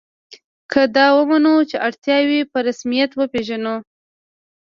که دا ومنو چې اړتیاوې په رسمیت وپېژنو.